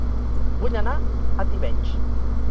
Vull anar a Tivenys